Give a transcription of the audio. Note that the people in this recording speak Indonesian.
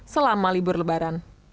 selama libur lebaran